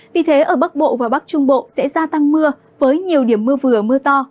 vì thế ở bắc bộ và bắc trung bộ sẽ gia tăng mưa với nhiều điểm mưa vừa mưa to